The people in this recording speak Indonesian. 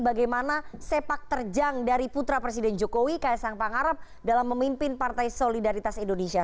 bagaimana sepak terjang dari putra presiden jokowi ksang pangarep dalam memimpin partai solidaritas indonesia